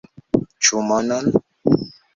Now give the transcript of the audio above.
Ĉu monon?